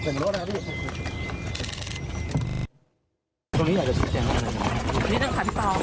นิดนึงค่ะพี่ป